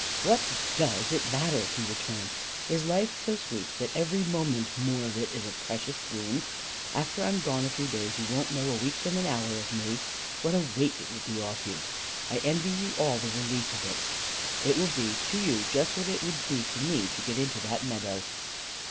"What DOES it matter?" he returned. "Is life so sweet that every moment more of it is a precious boon? After I'm gone a few days, you won't know a week from an hour of me. What a weight it will be off you! I envy you all the relief of it. It will be to you just what it would be to me to get into that meadow."